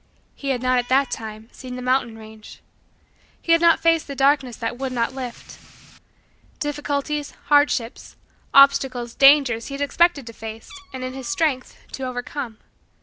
He had not, at that time, seen the mountain range. He had not faced the darkness that would not lift. Difficulties, hardships, obstacles, dangers, he had expected to face, and, in his strength, to overcome.